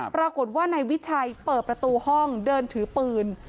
ปรากฏว่านายวิชัยเปิดประตูห้องเดินถือปืน